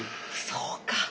そうか。